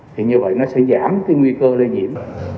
thì như vậy nó sẽ giảm cái nguy cơ lây nhiễm